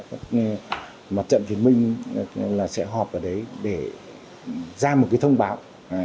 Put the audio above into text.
mặt trận việt minh sẽ họp ở đấy để ra một cái thông báo